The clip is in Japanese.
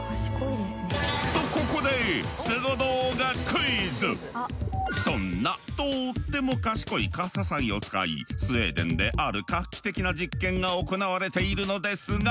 とここでそんなとっても賢いカササギを使いスウェーデンである画期的な実験が行われているのですが。